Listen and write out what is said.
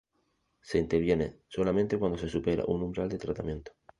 Se interviene solamente cuando se supera un umbral de tratamiento.